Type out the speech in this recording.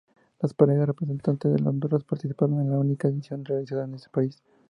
Las parejas representante de Honduras participaron en la única edición realizada en ese país.